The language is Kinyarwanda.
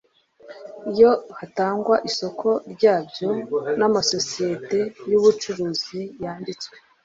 iyo hatangwa isoko ryabyo n’amasosiyete y’ubucuruzi yanditswe